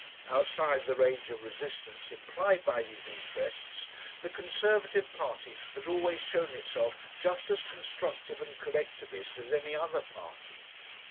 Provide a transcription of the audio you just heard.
Outside the range of resistance implied by these interests, the Conservative Party has always shown itself just as constructive and collectivist as any other party.